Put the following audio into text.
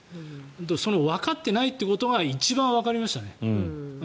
そのわかっていないということが一番わかりましたね。